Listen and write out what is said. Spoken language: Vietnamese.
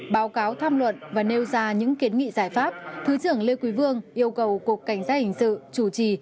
báo cáo tham luận và nêu ra những kiến nghị giải pháp thứ trưởng lê quý vương yêu cầu cục cảnh sát hình sự chủ trì